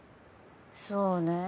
そうねえ